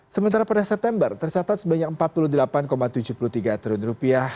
sementara pada september tercatat sebanyak empat puluh delapan tujuh puluh tiga triliun rupiah